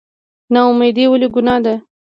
نااميدي ولې ګناه ده؟